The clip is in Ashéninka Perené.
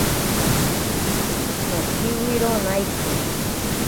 Nokiwiro naiki.